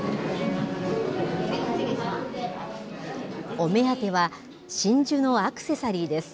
お目当ては、真珠のアクセサリーです。